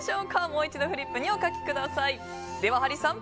もう一度フリップにお書きください。